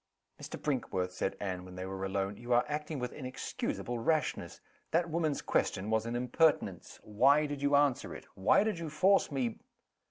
"Mr. Brinkworth!" said Anne, when they were alone, "you are acting with inexcusable rashness. That woman's question was an impertinence. Why did you answer it? Why did you force me